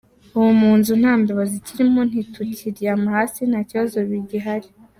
Ubu mu nzu nta mbeba zikirimo, ntitukiryama hasi, nta bibazo bigihari.